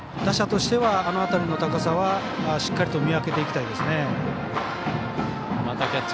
打者としてはあの辺りの高さはしっかりと見分けていきたいですね。